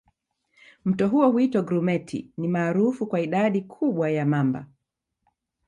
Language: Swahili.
Mto huo huitwa Grumeti ni maarufu kwa idadi kubwa ya mamba